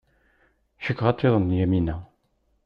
Cikkeɣ ad taḍen Yamina.